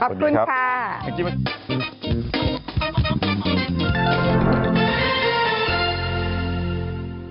สวัสดีครับแองจี้มาเจอ